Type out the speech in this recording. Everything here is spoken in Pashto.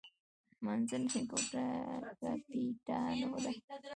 منځنۍ ګوته کاپیټانو ده.